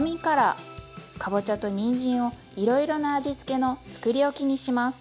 かぼちゃとにんじんをいろいろな味付けのつくりおきにします。